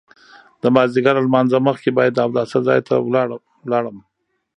د مازیګر له لمانځه مخکې بیا د اوداسه ځای ته لاړم.